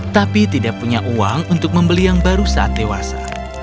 tapi tidak punya uang untuk membeli yang baru saat dewasa